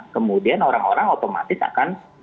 kemudian orang orang otomatis akan